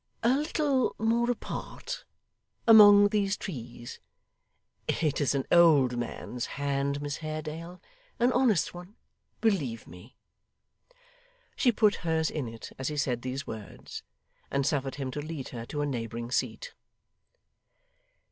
'A little more apart among these trees. It is an old man's hand, Miss Haredale; an honest one, believe me.' She put hers in it as he said these words, and suffered him to lead her to a neighbouring seat.